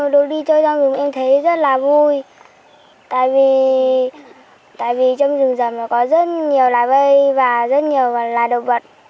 đôi đi chơi rong rừng em thấy rất là vui tại vì trong rừng rầm có rất nhiều lá vây và rất nhiều loài động vật